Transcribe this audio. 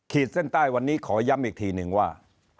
เส้นใต้วันนี้ขอย้ำอีกทีหนึ่งว่า